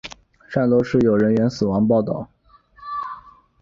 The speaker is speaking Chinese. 汕头市有人员死亡报导。